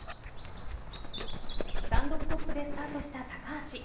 単独トップでスタートした高橋。